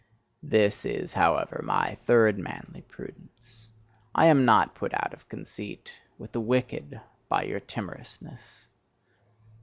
This is, however, my third manly prudence: I am not put out of conceit with the WICKED by your timorousness.